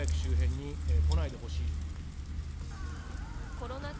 コロナ禍